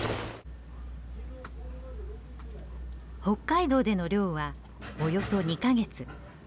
北海道での漁はおよそ２か月。